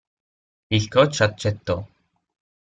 Il coach accettò.